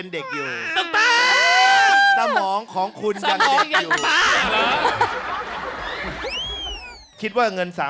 ๕นาทีถ้าไม่ได้๓ใจถ้าไม่ได้๓๐๐๐๐